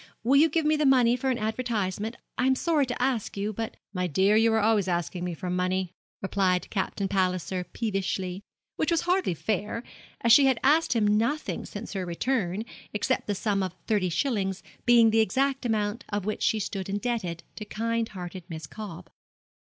Will you give me the money for an advertisement? I am sorry to ask you, but ' 'My dear, you are always asking me for money,' replied Captain Palliser, peevishly; which was hardly fair, as she had asked him nothing since her return, except the sum of thirty shillings, being the exact amount of which she stood indebted to kind hearted Miss Cobb.